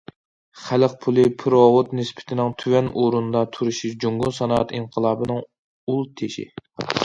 خەلق پۇلى پېرېۋوت نىسبىتىنىڭ تۆۋەن ئورۇندا تۇرۇشى جۇڭگو سانائەت ئىنقىلابىنىڭ ئۇل تېشى.